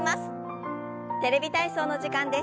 「テレビ体操」の時間です。